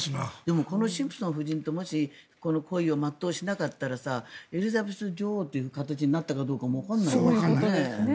もしシンプソン夫人とこの恋を全うしなかったらエリザベス女王という形になったかどうかもわからないよね。